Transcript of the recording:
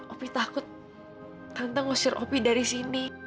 opi takut tentang ngusir opi dari sini